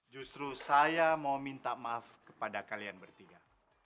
justru saya mau minta maaf kepada kalian bertiga